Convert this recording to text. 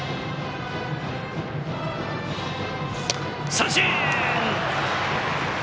三振！